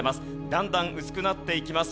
だんだん薄くなっていきます。